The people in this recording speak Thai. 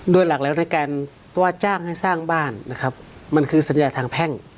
โดยหลักแล้วในการว่าจ้างให้สร้างบ้านนะครับมันคือสัญญาทางแพ่ง